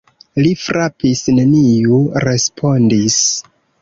Li frapis: neniu respondis.